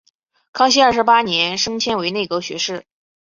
康熙二十八年升迁为内阁学士。